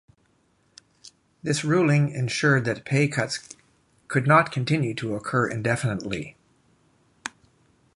This ruling ensured that pay cuts could not continue to occur indefinitely.